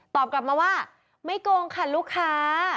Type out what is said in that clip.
กลับมาว่าไม่โกงค่ะลูกค้า